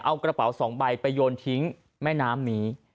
เอากระเป๋า๒ใบไปโยนทิ้งแม่น้ำนี้